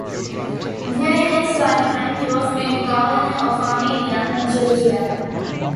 During his lifetime he was made governor of Armenia and Georgia.